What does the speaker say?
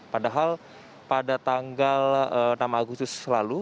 padahal pada tanggal enam agustus lalu